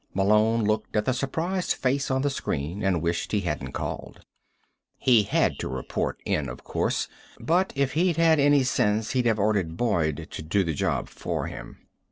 Malone looked at the surprised face on the screen and wished he hadn't called. He had to report in, of course but, if he'd had any sense, he'd have ordered Boyd to do the job for him.